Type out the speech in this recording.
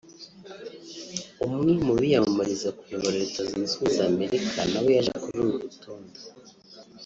umwe mu biyamamariza kuyobora Leta Zunze Ubumwe za Amerika na we yaje kuri uru rutonde